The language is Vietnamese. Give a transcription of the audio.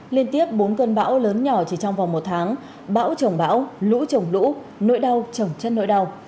liên tiếp bốn cơn bão lớn nhỏ chỉ trong vòng một tháng bão trồng bão lũ trồng lũ nỗi đau trồng chất nỗi đau